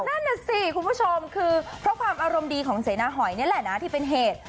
นั่นน่ะสิคุณผู้ชมคือเพราะความอารมณ์ดีของเสนาหอยนี่แหละนะที่เป็นเหตุ